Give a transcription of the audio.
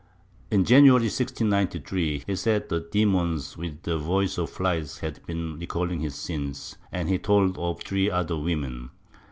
In January 1693, he said that the demons with the voice of flies had been recafling his sins, and he told of three other women.